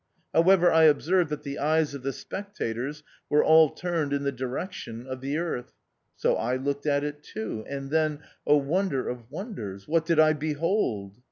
However, I observed that the eyes of the spectators were all turned in the direction of the Earth ; so I looked at it too ; and then, Oh wonder of wonders ! what did I behold